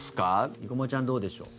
生駒ちゃん、どうでしょう。